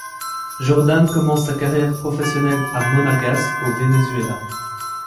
Jordán commence sa carrière professionnelle à Monagas au Venezuela.